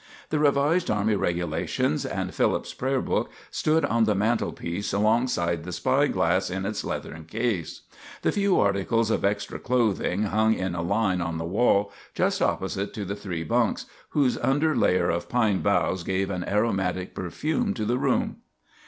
The Revised Army Regulations and Philip's prayer book stood on the mantelpiece alongside the spy glass in its leathern case. The few articles of extra clothing hung in a line on the wall just opposite to the three bunks, whose under layer of pine boughs gave an aromatic perfume to the room.